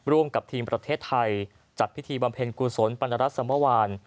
ร่วมกับทีมประเทศไทยจัดพิธีบำเพ็ญกุศลปรณรัฐสมวาน